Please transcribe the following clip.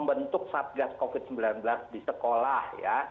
membentuk satgas covid sembilan belas di sekolah ya